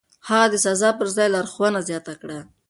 هغه د سزا پر ځای لارښوونه زياته کړه.